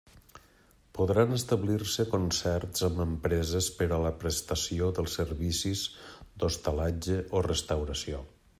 Podran establir-se concerts amb empreses per a la prestació dels servicis d'hostalatge o restauració.